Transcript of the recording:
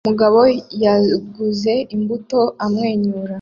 Umugabo yaguze imbuto amwenyura